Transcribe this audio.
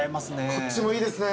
こっちもいいですね